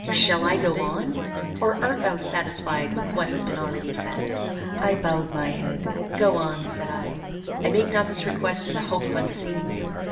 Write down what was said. Shall I go on? or art thou satisfied with what has been already said?" I bowed my head. "Go on," said I. "I make not this request in the hope of undeceiving you.